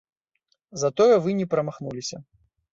Затое вы не прамахнуліся.